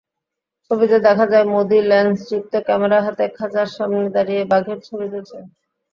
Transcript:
ছবিতে দেখা যায়, মোদি লেন্সযুক্ত ক্যামেরা হাতে খাঁচার সামনে দাঁড়িয়ে বাঘের ছবি তুলছেন।